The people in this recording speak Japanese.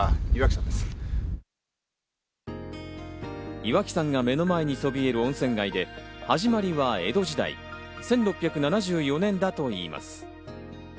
岩木山が目の前にそびえる温泉街で、始まりは江戸時代、１６７４年だと言います。